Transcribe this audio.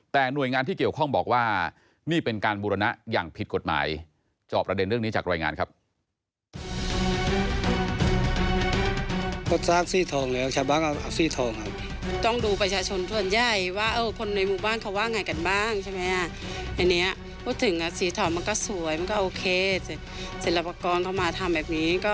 แต่หน่วยงานที่เกี่ยวข้องบอกว่านี่เป็นการบูรณะอย่างผิดกฎหมายจอบประเด็นเรื่องนี้จากรายงานครับ